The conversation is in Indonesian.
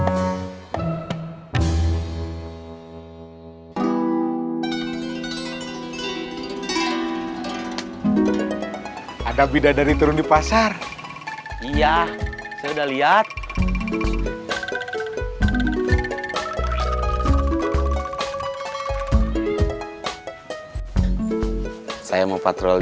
pertama kali best diamonds kali ini bisa jadi show alcript